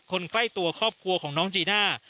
คนใกล้ตัวครอบครัวของน้องจีน่า